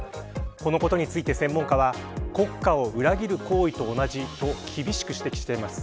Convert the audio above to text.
このことについて専門家は国家を裏切る行為と同じと厳しく指摘しています。